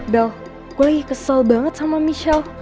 bel gue lagi kesel banget sama michelle